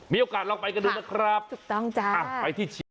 มีโอกาสลองไปกันด้วยนะครับไปที่ชีวิต